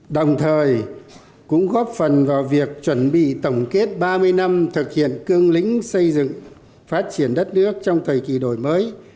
đồng thời cũng góp phần vào việc chuẩn bị tổng kết ba mươi năm thực hiện cương lĩnh xây dựng phát triển đất nước trong thời kỳ đổi mới